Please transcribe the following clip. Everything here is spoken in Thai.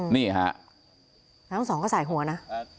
นี่ค่ะน้องสองก็ใส่หัวนะ